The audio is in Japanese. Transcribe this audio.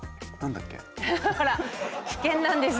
ほら危険なんです。